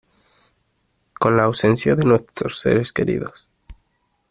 con la ausencia de nuestros seres queridos